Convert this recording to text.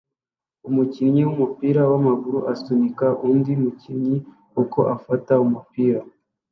Umukinnyi wumupira wamaguru asunika undi mukinnyi uko afata umupira